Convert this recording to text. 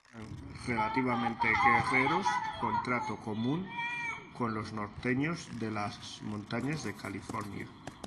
Eran relativamente guerreros con trato común con los norteños de las montañas de California.